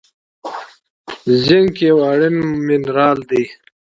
زینک یو اړین منرال دی.